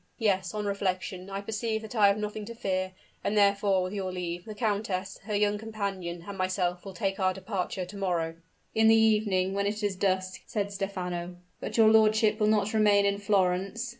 "Yes, on reflection, I perceive that I have nothing to fear; and therefore, with your leave, the countess, her young companion, and myself will take our departure to morrow." "In the evening, when it is dusk," said Stephano. "But your lordship will not remain in Florence?"